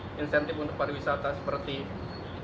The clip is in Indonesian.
ini insentif untuk pariwisata seperti diskon tiket pesawat